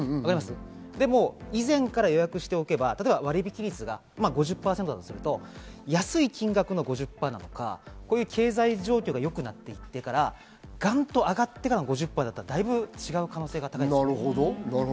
でも以前から予約しておけば、割引率が５０％だとすると安い金額の５０％なのか、こういう経済状況が良くなってから、ガンっと上がってからの５０％だったら、だいぶ違う可能性が高い。